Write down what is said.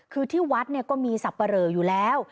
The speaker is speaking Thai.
คือที่วัดเนี่ยก็มีสับปะเหลออยู่แล้ว